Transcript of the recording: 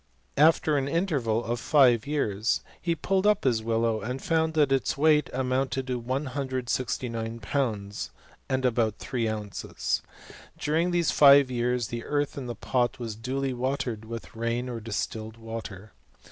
After an inter val of five years, he pulled up his willow and found' that its weight amounted to 169 pounds, and aboulT three ounces. During these five years, the earth in' the pot was duly watered with rain or distilled water.'